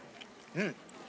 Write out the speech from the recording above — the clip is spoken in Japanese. うん！